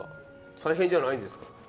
大変じゃないんですか？